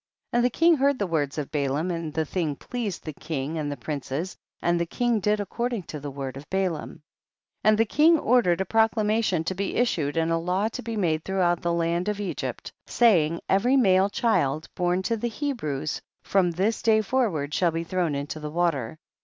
50. And the king heard the words of Balaam, and the thing pleased the king and the princes, and the king did according to the word of Balaam. 51. And the king ordered a pro clamation to be issued and a law to be made throughout the land of Egypt, saying, every male child born to the Hebrews from this day forward shall be thrown into the water.